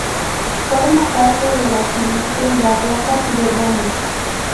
Forma parte de las iglesias barrocas de Roma.